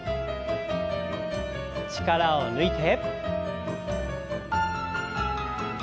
力を抜いて。